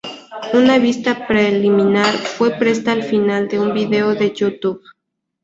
Una vista preliminar fue puesta al final de un vídeo de YouTube.